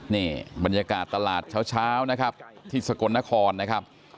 นี่บรรยากาศตลาดเช้านะครับที่สกลนครนะครับ